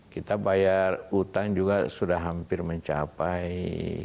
kita bayar utang juga sudah hampir mencapai